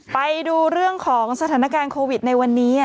ไปดูเรื่องของสถานการณ์โควิดในวันนี้